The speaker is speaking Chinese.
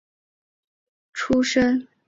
廪贡出身。